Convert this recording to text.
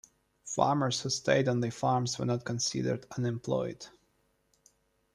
Farmers who stayed on their farms were not considered unemployed.